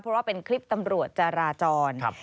เพราะว่าเป็นคลิปตำรวจจาราจร